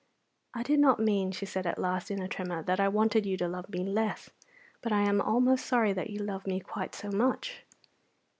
"I did not mean," she said at last, in a tremor, "that I wanted you to love me less, but I am almost sorry that you love me quite so much."